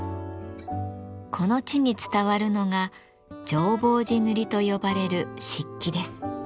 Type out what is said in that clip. この地に伝わるのが浄法寺塗と呼ばれる漆器です。